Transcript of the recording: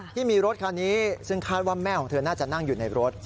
ที่มีรถคันนี้ซึ่งคาดว่าแม่ของเธอน่าจะนั่งอยู่ในรถ